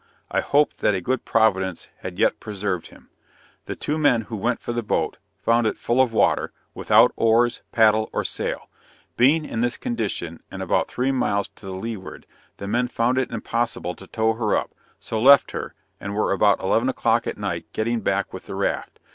I hoped that a good Providence had yet preserved him. The two men who went for the boat, found it full of water, without oars, paddle, or sail; being in this condition, and about three miles to the leeward, the men found it impossible to tow her up, so left her, and were until eleven o'clock at night getting back with the raft.